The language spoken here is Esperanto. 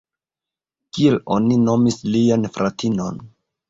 Kiel oni nomis lian fratinon?